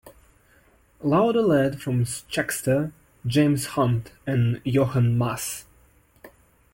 Lauda led from Scheckter, James Hunt and Jochen Mass.